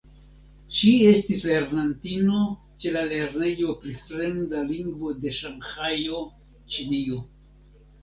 Ŝi estis lernantino ĉe la Lernejo pri Fremda Lingvo de Ŝanhajo (Ĉinio).